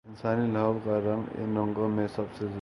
انسانی لہو کا رنگ ان رنگوں میں سب سے نمایاں ہے۔